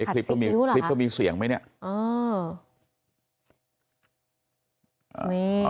คลิปก็มีเสียงไหมเนี่ย